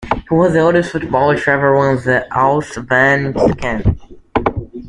He was the oldest footballer to ever win the Allsvenskan.